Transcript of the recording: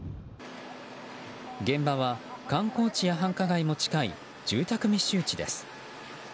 現場は観光地や繁華街も近い住宅密集地です。